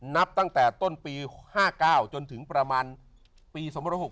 นับตั้งแต่ต้นปี๕๙จนถึงประมาณปี๒๖๖